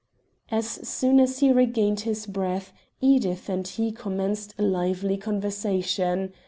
As soon as he regained his breath, Edith and he commenced a lively conversation.